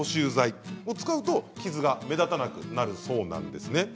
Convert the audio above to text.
こちらを使うと傷が目立たなくなるそうです。